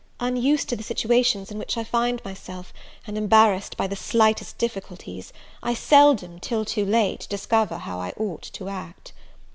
Unused to the situations in which I find myself, and embarrassed by the slightest difficulties, I seldom, till too late, discover how I ought to act.